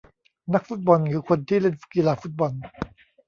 นักฟุตบอลคือคนที่เล่นกีฬาฟุตบอล